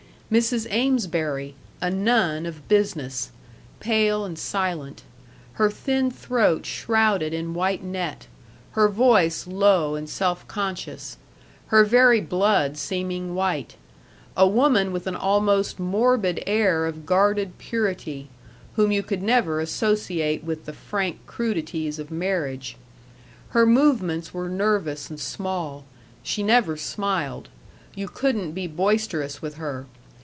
Mrs. Amesbury, a nun of business, pale and silent; her thin throat shrouded in white net; her voice low and self conscious; her very blood seeming white a woman with an almost morbid air of guarded purity, whom you could never associate with the frank crudities of marriage. Her movements were nervous and small; she never smiled; you couldn't be boisterous with her.